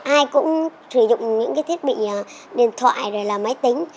ai cũng sử dụng những cái thiết bị điện thoại rồi là máy tính